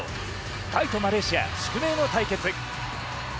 タイとマレーシア宿命の対決。